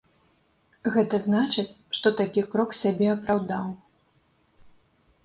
Гэта значыць, што такі крок сябе апраўдаў.